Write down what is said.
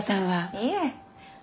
いえ。